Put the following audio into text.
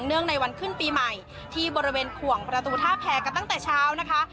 งในวันขึ้นปีใหม่ที่บริเวณขวงประตูท่าแพรกันตั้งแต่เช้านะคะ